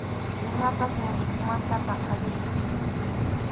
Imapas musuqmanta paqarichiy.